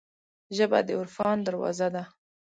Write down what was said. ژبه د عرفان دروازه ده